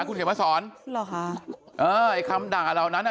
คุณเห็นไหมสอนหรอค่ะเออคำด่าเหล่านั้นอ่ะ